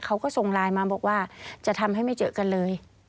เขาก็ส่งไลน์มาบอกว่าจะทำให้ไม่เจอกันเลย